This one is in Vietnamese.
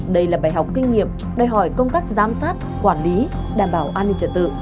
đây là bài học kinh nghiệm đòi hỏi công tác giám sát quản lý đảm bảo an ninh trật tự